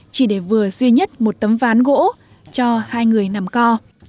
chỉ để vừa duy nhất một tấm ván gỗ cho hai người nằm co